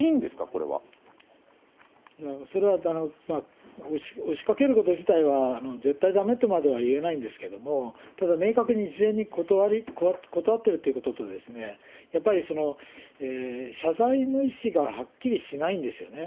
これは。それは押しかけること自体は絶対だめとまではいえないんですけれども、ただ、明確に事前に断ってるっていうこととですね、やっぱり謝罪の意思がはっきりしないんですよね。